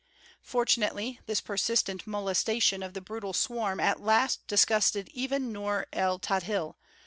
Fortunately this persistent molestation of the brutal swarm at last disgusted even Nur el Tadhil.